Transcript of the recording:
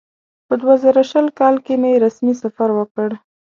په دوه زره شل کال کې مې رسمي سفر وکړ.